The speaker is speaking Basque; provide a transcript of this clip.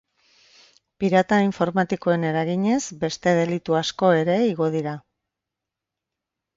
Pirata informatikoen eraginez beste delitu asko ere igo dira.